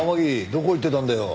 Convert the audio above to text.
どこ行ってたんだよ。